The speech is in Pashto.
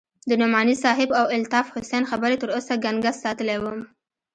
د نعماني صاحب او الطاف حسين خبرې تر اوسه گنگس ساتلى وم.